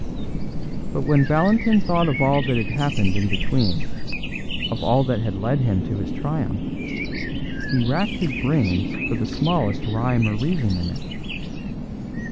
But when Valentin thought of all that had happened in between, of all that had led him to his triumph, he racked his brains for the smallest rhyme or reason in it.